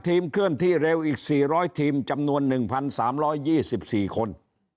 เคลื่อนที่เร็วอีก๔๐๐ทีมจำนวน๑๓๒๔คน